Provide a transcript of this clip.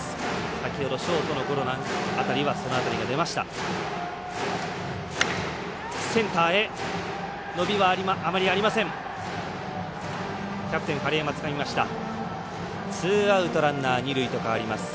先ほど、ショートのゴロの当たりにはそのあたりが出ました。